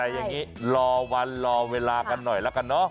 แต่อย่างนี้รอวันรอเวลากันหน่อยละกันเนอะ